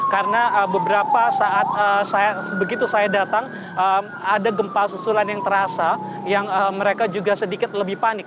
karena beberapa saat begitu saya datang ada gempa susulan yang terasa yang mereka juga sedikit lebih panik